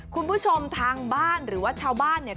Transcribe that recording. คุณผู้ชมทางบ้านหรือว่าชาวบ้านเนี่ย